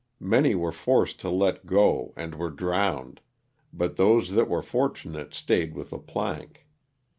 Many were forced to let go and were drowned, but those that were fortunate stayed with the plank.